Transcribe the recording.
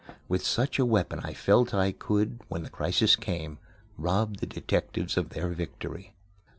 With such a weapon I felt that I could, when the crisis came, rob the detectives of their victory.